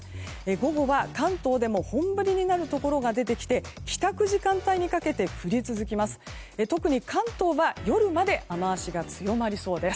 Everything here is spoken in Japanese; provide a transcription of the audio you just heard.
午後は関東でも本降りになるところが出てきて帰宅時間帯にかけて降り続きます。